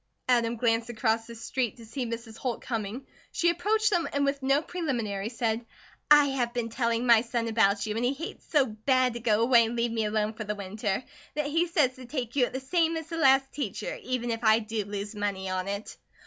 Adam glanced across the street to see Mrs. Holt coming. She approached them and with no preliminaries said: "I have been telling my son about you an' he hates so bad to go away and leave me alone for the winter, that he says to take you at the same as the last teacher, even if I do lose money on it."